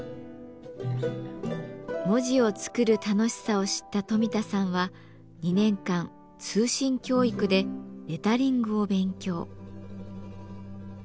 文字を作る楽しさを知った冨田さんは２年間通信教育でレタリングを勉強。